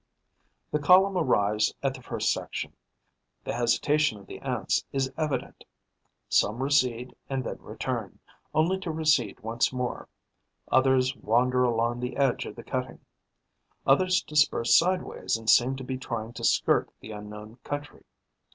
The column arrives at the first section. The hesitation of the Ants is evident. Some recede and then return, only to recede once more; others wander along the edge of the cutting; others disperse sideways and seem to be trying to skirt the unknown country.